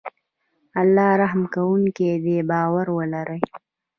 الله رحم کوونکی دی باور ولری